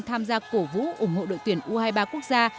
tham gia cổ vũ ủng hộ đội tuyển u hai mươi ba quốc gia